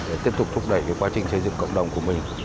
để tiếp tục thúc đẩy quá trình xây dựng cộng đồng của mình